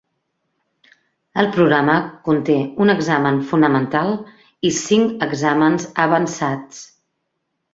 El programa conté un examen fonamental i cinc exàmens avançats.